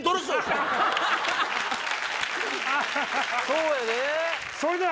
そうやで。